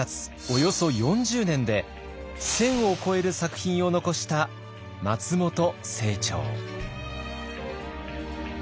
およそ４０年で１，０００を超える作品を残した松本清張。